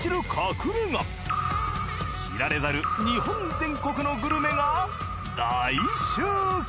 知られざる日本全国のグルメが大集結。